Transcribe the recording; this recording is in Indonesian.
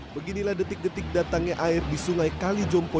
beginilah detik detik datangnya air di sungai kalijompo